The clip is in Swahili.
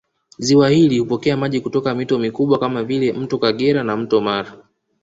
Ziwa hili hupokea maji kutoka mito mikubwa kama vile Mto Kagera na Mto Mara